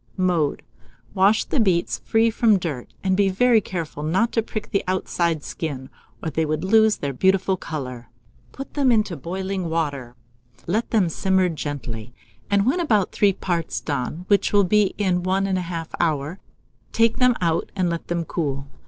Mode. Wash the beets free from dirt, and be very careful not to prick the outside skin, or they would lose their beautiful colour. Put them into boiling water, let them simmer gently, and when about three parts done, which will be in 1 1/2 hour, take them out and let them cool.